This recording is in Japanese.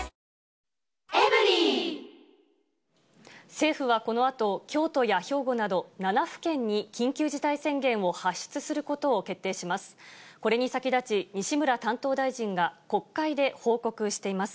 政府はこのあと、京都や兵庫など、７府県に緊急事態宣言を発出することを決定します。